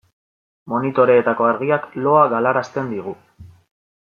Monitoreetako argiak loa galarazten digu.